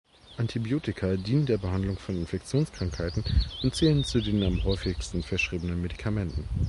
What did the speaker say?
Antibiotika dienen der Behandlung von Infektionskrankheiten und zählen zu den am häufigsten verschriebenen Medikamenten.